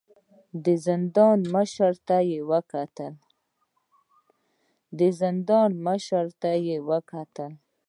د زندان مشر ته يې وکتل.